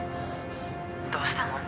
どうしたの？